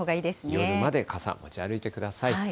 夜まで傘、持ち歩いてください。